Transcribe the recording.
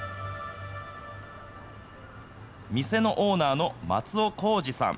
店のオーナーの松尾弘寿さん。